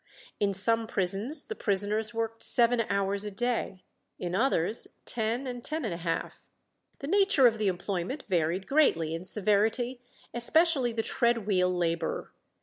In some prisons the prisoners worked seven hours a day, in others ten and ten and a half. The nature of the employment varied greatly in severity, especially the tread wheel labour.